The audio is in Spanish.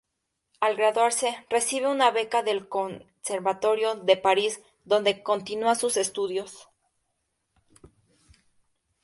Al graduarse recibe una beca del Conservatorio de Paris donde continúa sus estudios.